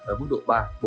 ở mức độ ba bốn